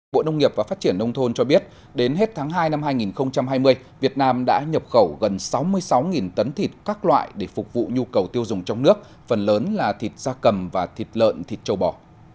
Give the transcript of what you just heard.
bộ nông nghiệp và phát triển nông thôn cho biết đến hết tháng hai năm hai nghìn hai mươi việt nam đã nhập khẩu gần sáu mươi sáu tấn thịt các loại để phục vụ nhu cầu tiêu dùng trong nước phần lớn là thịt da cầm và thịt lợn thịt châu bò